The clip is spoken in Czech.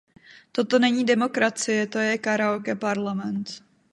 Toto není demokracie, to je karaoke parlament.